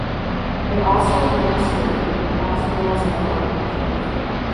They also administered in hospitals and orphanages.